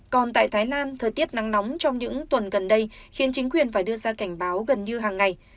còn tại thái lan thời tiết nắng nóng trong những tuần gần đây khiến chính quyền phải đưa ra cảnh báo gần như hàng ngày